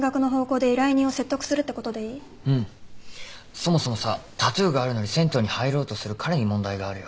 そもそもさタトゥーがあるのに銭湯に入ろうとする彼に問題があるよ。